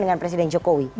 dengan presiden jokowi